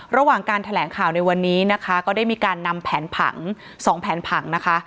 ระหว่างการแถลงข่าวในวันนี้นะคะก็ได้มีการนำแผนผังสองแผนผังนะคะ